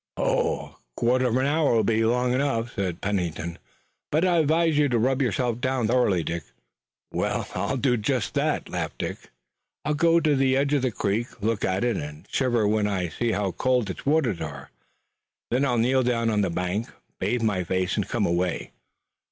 "O, a quarter of an hour will be long enough," said Pennington, "but I'd advise you to rub yourself down thoroughly, Dick." "I'll do just as you did," laughed Dick. "And what's that?" "I'll go to the edge of the creek, look at it, and shiver when I see how cold its waters are. Then I'll kneel down on the bank, bathe my face, and come away."